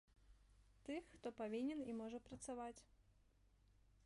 Тых, хто павінен і можа працаваць.